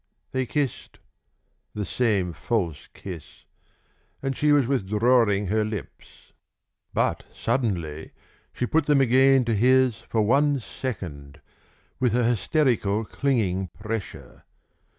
They kissed, the same false kiss, and she was withdrawing her lips. But suddenly she put them again to his for one second, with a hysterical clinging pressure.